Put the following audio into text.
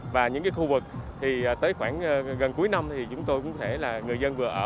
và những khu vực thì tới khoảng gần cuối năm thì chúng tôi cũng có thể là người dân vừa ở